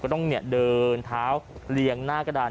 ต้องเดินเท้าเรียงหน้ากระดาน